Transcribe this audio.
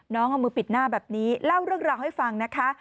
น้องเอามือปิดหน้าแบบนี้เล่าเรื่องราวให้ฟังนะคะ